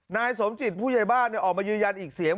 นายสมจิตผู้ใหญ่บ้านออกมายืนยันอีกเสียง